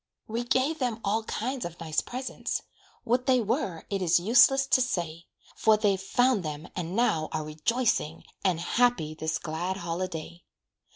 We gave them all kinds of nice presents, What they were, it is useless to say; For they've found them and now are rejoicing, And happy this glad holiday.